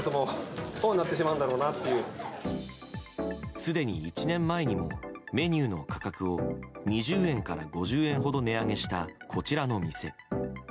すでに１年前にもメニューの価格を２０円から５０円ほど値上げしたこちらの店。